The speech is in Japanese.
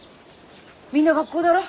みんな学校だろ？